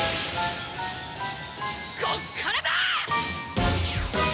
こっからだ！